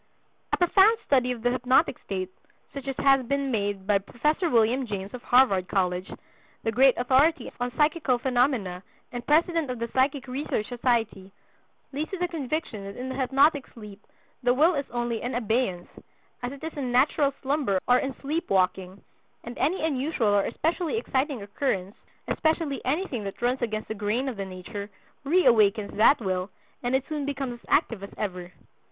A profound study of the hypnotic state, such as has been made by Prof. William James, of Harvard College, the great authority on psychical phenomena and president of the Psychic Research Society, leads to the conviction that in the hypnotic sleep the will is only in abeyance, as it is in natural slumber or in sleepwalking, and any unusual or especially exciting occurrence, especially anything that runs against the grain of the nature, reawakens that will, and it soon becomes as active as ever.